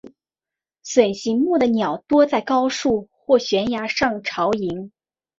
隼形目的鸟多在高树或悬崖上营巢。